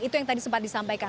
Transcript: itu yang tadi sempat disampaikan